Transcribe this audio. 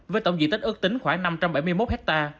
với tổng diện tích ước tính khoảng năm trăm bảy mươi một tỷ đồng